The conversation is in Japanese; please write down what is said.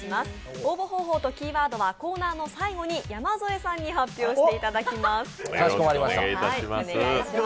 応募方法とキーワードはコーナーの最後に山添さんに発表していただきます。